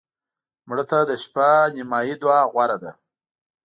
مړه ته د شپه نیمایي دعا غوره ده